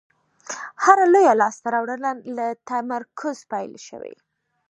هره لویه لاستهراوړنه له تمرکز پیل شوې.